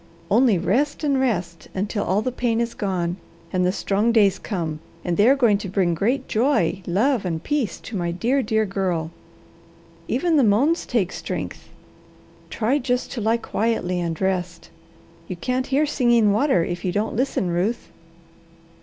Only rest and rest, until all the pain is gone, and the strong days come, and they are going to bring great joy, love, and peace, to my dear, dear girl. Even the moans take strength. Try just to lie quietly and rest. You can't hear Singing Water if you don't listen, Ruth."